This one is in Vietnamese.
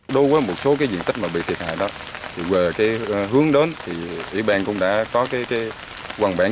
đối với một số diện tích bị thiệt hại đó về hướng đến thì ủy ban cũng đã có quần bản